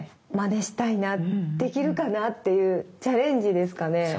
まねしたいなできるかなっていうチャレンジですかね。